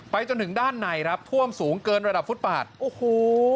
จนถึงด้านในครับท่วมสูงเกินระดับฟุตปาดโอ้โห